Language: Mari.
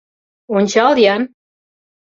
— Ончал-ян!